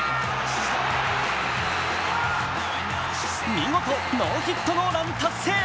見事ノーヒットノーラン達成。